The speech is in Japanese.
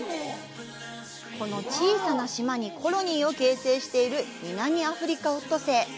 この小さな島にコロニーを形成しているミナミアフリカオットセイ。